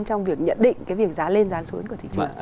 trong việc nhận định cái việc giá lên dán xuống của thị trường